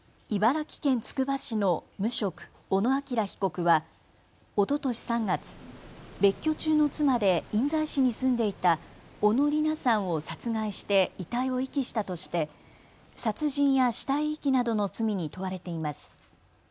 茨城県つくば市の無職、小野陽被告はおととし３月、別居中の妻で印西市に住んでいた小野理奈さんを殺害して遺体を遺棄したとして殺人や死体遺棄などの罪に問われています。